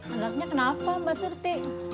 alatnya kenapa mbak surti